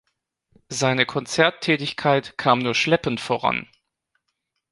Seine Konzerttätigkeit kam nur schleppend voran.